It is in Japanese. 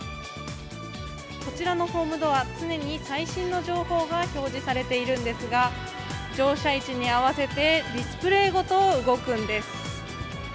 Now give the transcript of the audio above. こちらのホームドア常に最新の情報が表示されているんですが乗車位置に合わせてディスプレーごと動くんです。